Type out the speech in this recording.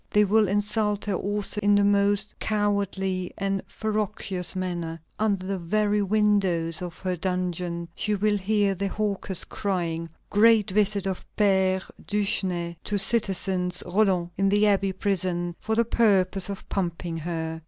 They will insult her also in the most cowardly and ferocious manner. Under the very windows of her dungeon she will hear the hawkers crying: "Great visit of Père Duchesne to Citizeness Roland, in the Abbey prison, for the purpose of pumping her."